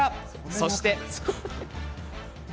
そして。